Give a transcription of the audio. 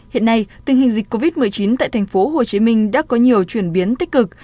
hiện nay tình hình dịch covid một mươi chín tại tp hcm đã có nhiều chuyển biến tích cực